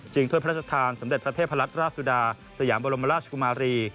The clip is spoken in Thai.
ถ้วยพระราชทานสมเด็จพระเทพรัชราชสุดาสยามบรมราชกุมารี